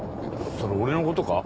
それ俺のことか？